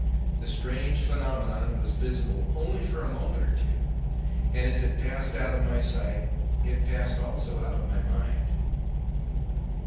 The strange phenomenon was visible only for a moment or two, and as it passed out of my sight it passed also out of my mind.